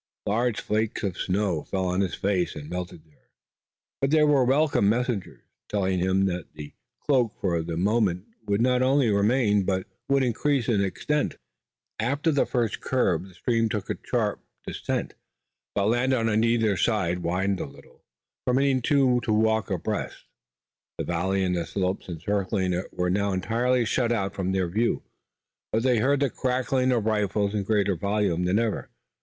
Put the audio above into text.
Large flakes of snow fell on his face and melted there, but they were welcome messengers, telling him that the cloak for the movement would not only remain, but would increase in extent. After the first curve the stream took a sharp descent, but the land on either side widened a little, permitting two to walk abreast. The valley and the slopes encircling it were now entirely shut out from their view, but they heard the crackling of the rifles in greater volume than ever.